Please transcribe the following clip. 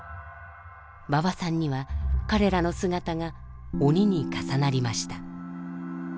馬場さんには彼らの姿が「鬼」に重なりました。